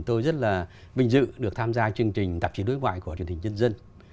tôi rất là vinh dự được tham gia chương trình tạp chí đối ngoại của truyền hình nhân dân